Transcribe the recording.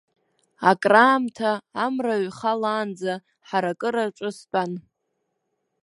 Акраамҭа, амра ҩхалаанӡа ҳаракыракаҿы стәан.